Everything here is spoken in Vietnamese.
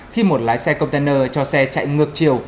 khi một lái xe container cho xe chạy ngược chiều